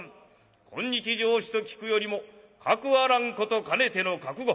今日上使と聞くよりもかくあらんことかねての覚悟。